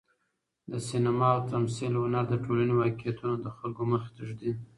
د سینما او تمثیل هنر د ټولنې واقعیتونه د خلکو مخې ته ږدي.